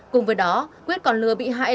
cùng với đó quyết còn lừa bị hại